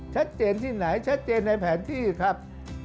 ชัดเจนที่ไหนชัดเจนในแผนที่ครับ